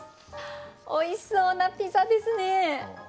おいしそうなピザですね。